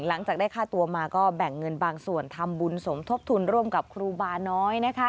หลังจากได้ค่าตัวมาก็แบ่งเงินบางส่วนทำบุญสมทบทุนร่วมกับครูบาน้อยนะคะ